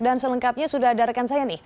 dan selengkapnya sudah ada rekan saya nih